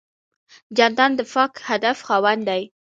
جانداد د پاک هدف خاوند دی.